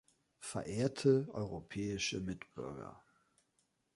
Verehrte europäische Mitbürger!